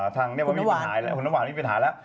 คุณน้าหวานว่ามีปัญหาแล้ว